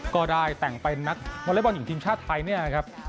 ก็ได้แต่งไปนักมอเลบอนหญิงทีมชาติไทยนะครับ